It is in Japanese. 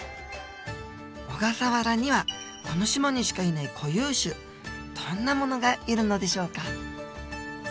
小笠原にはこの島にしかいない固有種どんなものがいるのでしょうか？